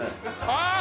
ああ。